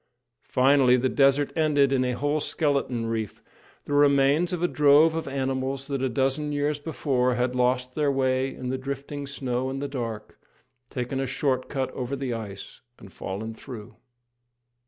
Finally, the desert ended in a whole skeleton reef the remains of a drove of animals that a dozen years before had lost their way in the drifting snow and the dark, taken a short cut over the ice, and fallen through.